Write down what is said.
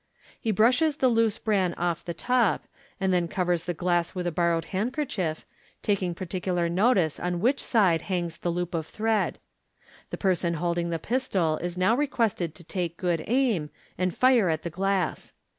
He brushes the loose bran off the top, and then covers the glass with a borrowed handkerchief, taking particular notice on which side hangs the loop of thread. The person holding the pistol is now requested to take good aim, and fire at the glass.